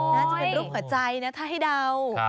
น่าจะเป็นรูปหัวใจนะถ้าให้เดา